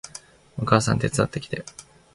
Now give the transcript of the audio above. お母さん手伝ってきて